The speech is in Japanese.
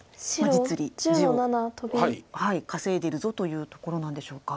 実利地を稼いでるぞというところなんでしょうか。